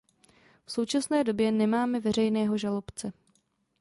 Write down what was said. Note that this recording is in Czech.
V současné době nemáme veřejného žalobce.